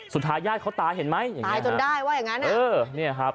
สุดท้ายญาติเขาตายเห็นไหมตายจนได้ว่าอย่างนั้น